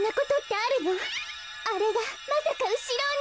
あれがまさかうしろに。